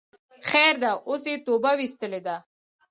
خیر ده اوس یی توبه ویستلی ده